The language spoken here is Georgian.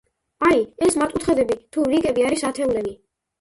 აი, ეს მართკუთხედები თუ რიგები არის ათეულები.